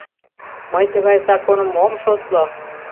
— Мый тыгай законым ом шотло!